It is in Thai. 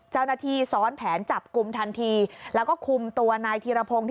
เจ้าหน้าที่ซ้อนแผนจับกลุ่มทันทีแล้วก็คุมตัวนายธีรพงศ์